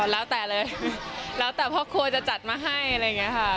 แล้วแต่เลยแล้วแต่พ่อครัวจะจัดมาให้อะไรอย่างนี้ค่ะ